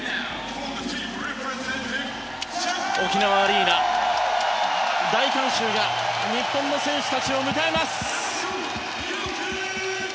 沖縄アリーナの大観衆が日本の選手たちを迎えます。